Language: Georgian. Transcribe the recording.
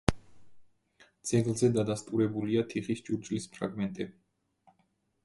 ძეგლზე დადასტურებულია თიხის ჭურჭლის ფრაგმენტები.